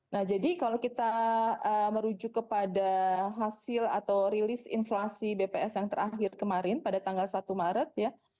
nah jadi kalau kita merujuk kepada hasil atau rilis inflasi bps yang terakhir kemarin pada tanggal satu maret ya